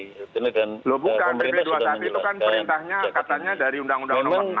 loh bukan pp dua puluh satu itu kan perintahnya katanya dari undang undang nomor enam